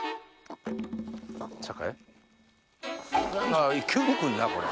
あ急にくるなこれ。